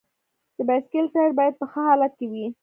د بایسکل ټایر باید په ښه حالت کې وي.